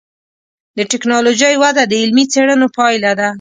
د ټکنالوجۍ وده د علمي څېړنو پایله ده.